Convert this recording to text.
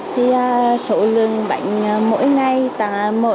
thì số lượng bánh mỗi ngày tầm một